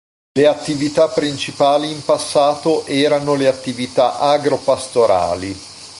Le attività principali in passato erano le attività agro-pastorali.